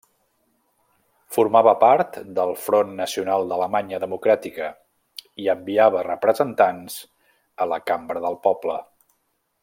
Formava part del Front Nacional d'Alemanya Democràtica, i enviava representants a la Cambra del Poble.